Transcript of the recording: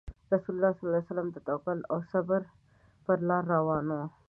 رسول الله صلى الله عليه وسلم د توکل او صبر په لار روان وو.